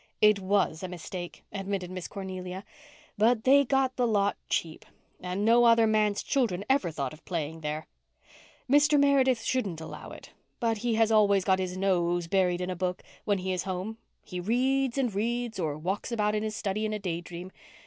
"It was a mistake," admitted Miss Cornelia. "But they got the lot cheap. And no other manse children ever thought of playing there. Mr. Meredith shouldn't allow it. But he has always got his nose buried in a book, when he is home. He reads and reads, or walks about in his study in a day dream.